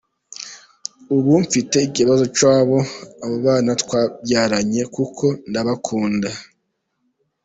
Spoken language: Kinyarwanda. Ubu mfite ikibazo cy’abo bana twabyaranye, kuko ndabakunda.